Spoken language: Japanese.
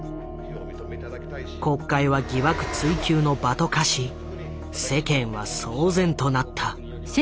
国会は疑惑追及の場と化し世間は騒然となった。